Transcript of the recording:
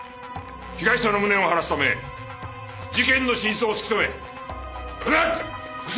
被害者の無念を晴らすため事件の真相を突き止め必ずホシを挙げる！